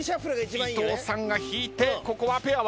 伊藤さんが引いてここはペアは？